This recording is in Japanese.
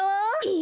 え